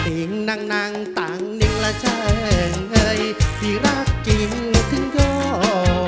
เองนั่งนั่งต่างนึงล่ะใช่ไงที่รักจริงถึงยอม